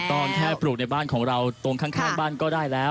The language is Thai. ต้องแค่ปลูกในบ้านของเราตรงข้างบ้านก็ได้แล้ว